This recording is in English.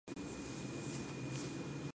All of the draws are "without replacement".